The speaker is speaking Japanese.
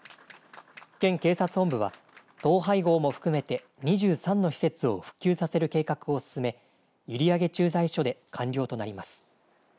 県警察本部は統廃合も含めて２３の施設を復旧させる計画を進め閖上駐在所で完了となります。